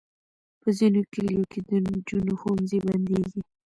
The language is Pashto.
په ځینو کلیو کې د انجونو ښوونځي بندېږي.